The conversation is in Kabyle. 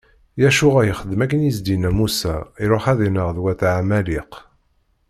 Yacuɛa yexdem akken i s-d-inna Musa, iṛuḥ ad innaɣ d wat ɛamaliq.